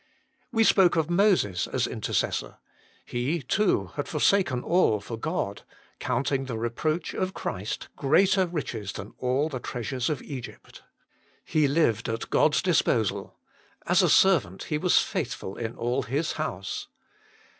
We spoke of Moses as intercessor. He too had forsaken all for God, "counting the reproach of Christ greater riches than all the treasures of Egypt." He lived at God s disposal: " as a servant he was faithful in all His house."